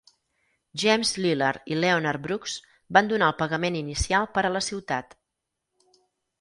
James Lillard i Leonard Brooks van donar el pagament inicial per a la ciutat.